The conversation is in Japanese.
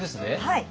はい。